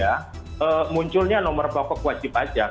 karena munculnya nomor bako kuasipajak